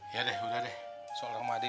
yaudah deh soal ramadi